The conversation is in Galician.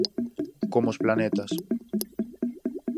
Como os planetas.